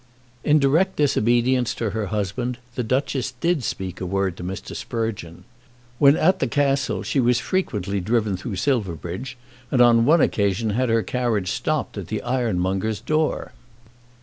In direct disobedience to her husband the Duchess did speak a word to Mr. Sprugeon. When at the Castle she was frequently driven through Silverbridge, and on one occasion had her carriage stopped at the ironmonger's door.